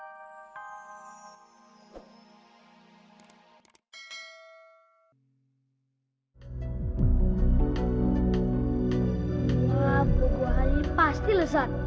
wabuh gua hari ini pasti lezat